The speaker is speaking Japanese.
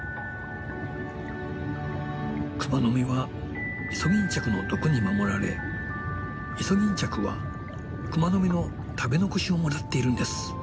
クマノミはイソギンチャクの毒に守られイソギンチャクはクマノミの食べ残しをもらっているんです。